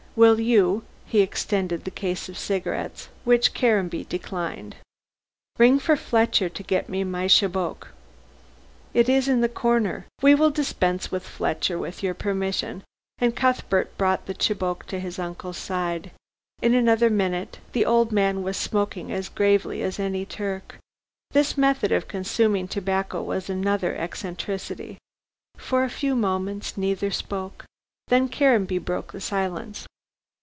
Will you " he extended the case of cigarettes, which Caranby declined. "Ring for Fletcher to get me my chibouque." "It is in the corner. We will dispense with Fletcher with your permission." And Cuthbert brought the chibouque to his uncle's side. In another minute the old man was smoking as gravely as any Turk. This method of consuming tobacco was another eccentricity. For a few moments neither spoke. Then Caranby broke the silence.